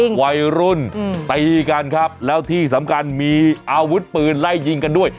วัยรุ่นตีกันครับแล้วที่สำคัญมีอาวุธปืนไล่ยิงกันด้วย